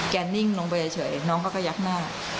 แกนิ่งลงไปเฉยน้องเขาก็ยักหน้า